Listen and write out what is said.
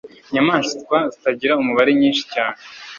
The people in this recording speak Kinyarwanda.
inyamaswa zitagira umubare, nyinshi cyane